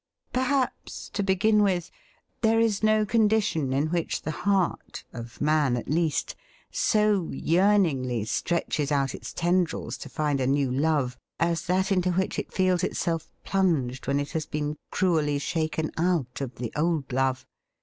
Perhaps, to begin with, there is no condition in which the heart — of man, at least — so yearningly stretches out its tendrils to find a new love as that into which it feels itself plunged when it has been cruelly shaken out of the old love.